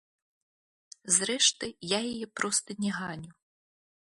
Зрэшты, я яе проста не ганю.